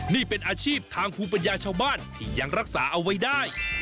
นี่เป็นอาชีพทางภูมิปัญญาชาวบ้านที่ยังรักษาเอาไว้ได้